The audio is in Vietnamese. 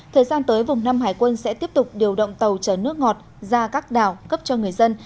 thời gian tới vùng năm hải quân sẽ tiếp tục điều động tàu chở nước ngọt ra các đảo cấp cho người dân